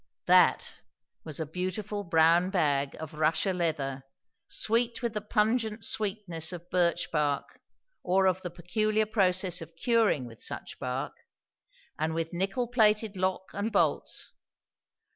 "That" was a beautiful brown bag of Russia leather, sweet with the pungent sweetness of birch bark, or of the peculiar process of curing with such bark; and with nickel plated lock and bolts.